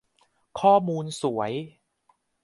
ข้อมูลสวย